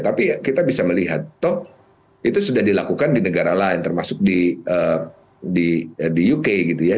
tapi kita bisa melihat toh itu sudah dilakukan di negara lain termasuk di uk gitu ya